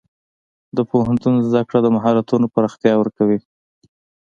د پوهنتون زده کړه د مهارتونو پراختیا ورکوي.